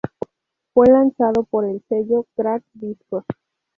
Fue lanzado por el sello "Crack Discos".